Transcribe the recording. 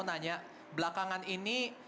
nanya belakangan ini